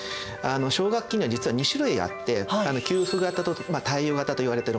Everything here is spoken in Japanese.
奨学金には実は２種類あって給付型と貸与型といわれているものです。